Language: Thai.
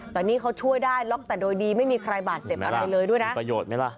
แต่นี่เขาช่วยได้ล็อกแต่โดยดีไม่มีใครบาดเจ็บอะไรเลยด้วยนะประโยชน์ไหมล่ะ